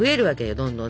どんどんね。